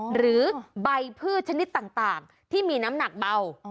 หรือใบพืชชนิดต่างที่มีน้ำหนักเบา